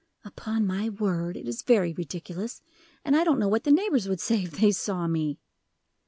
"Upon my word, it is very ridiculous, and I don't know what the neighbors would say if they saw me."